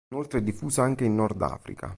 Inoltre è diffusa anche in Nord Africa.